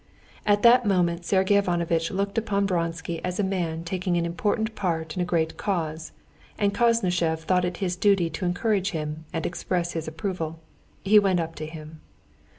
At that moment Sergey Ivanovitch looked upon Vronsky as a man taking an important part in a great cause, and Koznishev thought it his duty to encourage him and express his approval. He went up to him.